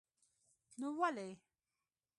نو ولې.